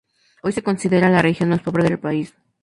Hoy se considera la región más pobre del país.